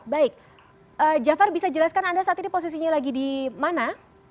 baik jafar bisa jelaskan anda saat ini posisinya lagi di mana